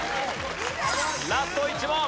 ラスト１問！